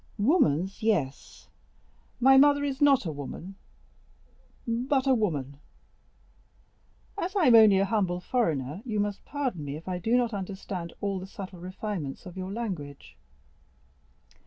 "Woman's, yes; my mother is not woman, but a woman." "As I am only a humble foreigner, you must pardon me if I do not understand all the subtle refinements of your language."